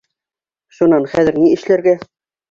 Шунан, хәҙер ни эшләргә?